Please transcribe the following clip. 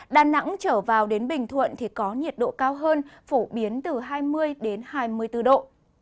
đà nẵng trở vào đến bình thuận thì có nhiệt độ cao hơn phổ biến từ hai mươi hai mươi bốn độ